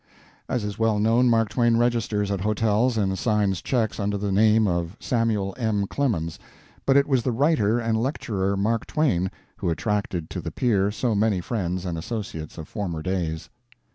As is well known, Mark Twain registers at hotels and signs checks under the name of Samuel M. Clemens, but it was the writer and lecturer, Mark Twain, who attracted to the pier so many friends and associated of former days.